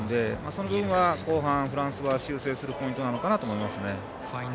その部分は後半、フランスは修正するポイントだと思います。